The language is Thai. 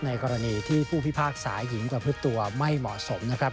กรณีที่ผู้พิพากษาหญิงประพฤติตัวไม่เหมาะสมนะครับ